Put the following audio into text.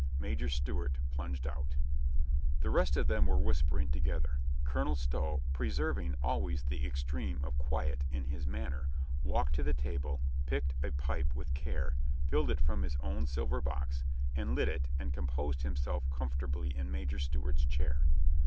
Major Stewart plunged out The rest of them were whispering together. Colo nel Stow, preserving always the extreme of quiet in his manner, walked to the table, picked a pipe with care, filled it from his own silver box, and lit it and composed himself comfortably in Major Stewart's chair.